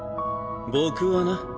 僕はな。